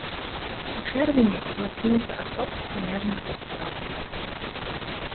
У чэрвені ўзмацніўся адток замежнага капіталу.